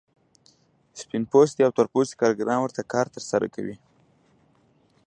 سپین پوستي او تور پوستي کارګران ورته کار ترسره کوي